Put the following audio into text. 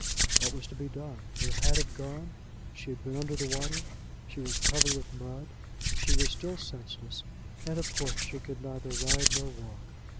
What was to be done? Her hat had gone; she had been under the water; she was covered with mud; she was still senseless, and of course she could neither ride nor walk.